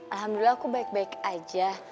alhamdulillah aku baik baik aja